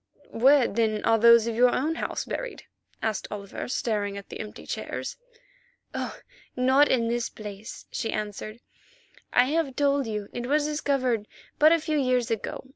"Where, then, are those of your own house buried?" asked Oliver, staring at the empty chairs. "Oh! not in this place," she answered; "I have told you it was discovered but a few years ago.